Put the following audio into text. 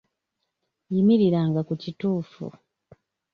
Yimiriranga ku kituufu.